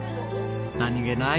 何げない